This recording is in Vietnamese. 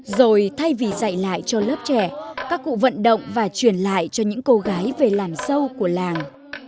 rồi thay vì dạy lại cho lớp trẻ các cụ vận động và truyền lại cho những cô gái về làm sâu của làng